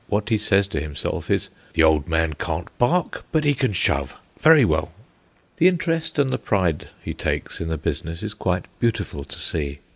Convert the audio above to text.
What he says to himself is: "The old man can't bark, but he can shove. Very well." The interest and the pride he takes in the business is quite beautiful to see.